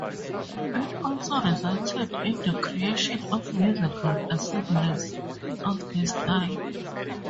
It also resulted in the creation of musical ensembles of this style.